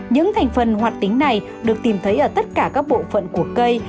những thành phần hoạt tính này được tìm thấy ở tất cả các bộ phận của cây